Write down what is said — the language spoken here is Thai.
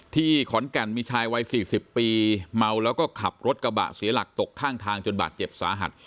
ที่ขอนแก่นมีชายวัย๔๐ปีเมาแล้วก็ขับรถกระบะเสียหลักตกข้างทางจนบาดเจ็บสาหัส